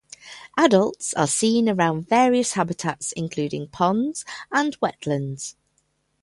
Adults are seen around various habitats including ponds and wetlands.